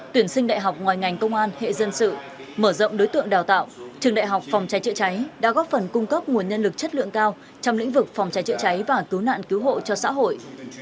tuyển sinh đại học ngoài ngành công an hệ dân sự mở rộng đối tượng đào tạo trường đại học phòng cháy chữa cháy đã góp phần cung cấp nguồn nhân lực chất lượng cao trong lĩnh vực phòng cháy chữa cháy và cứu nạn cứu hộ cho xã hội